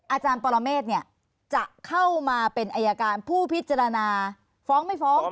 อาจารย์ปรเมฆจะเข้ามาเป็นอายการผู้พิจารณาฟ้องไม่ฟ้อง